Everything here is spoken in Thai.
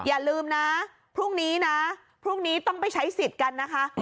อย่าลืมนะพรุ่งนี้นะพรุ่งนี้ต้องไปใช้สิทธิ์กันนะคะ